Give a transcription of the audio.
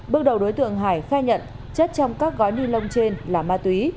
bước đầu đối tượng hải khai nhận chất trong các gói ni lông trên là ma túy